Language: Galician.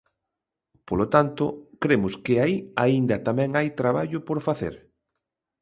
Polo tanto, cremos que aí aínda tamén hai traballo por facer.